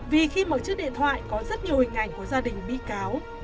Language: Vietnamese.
vì khi một chiếc điện thoại có rất nhiều hình ảnh của gia đình bị cáo